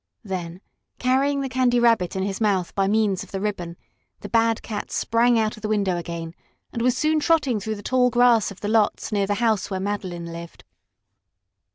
Then, carrying the Candy Rabbit in his mouth by means of the ribbon, the bad cat sprang out of the window again and was soon trotting through the tall grass of the lots near the house where Madeline lived.